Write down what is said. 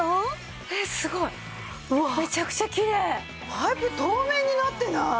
パイプ透明になってない？